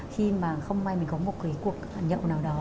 khi mà không may mình có một cái cuộc nhậu nào đó